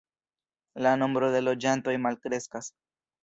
La nombro de loĝantoj malkreskas.